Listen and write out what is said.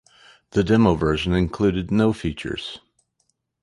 The demo version included no features.